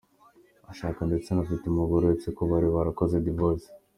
ashaka, ndetse anafite umugore uretse ko bari barakoze divorce.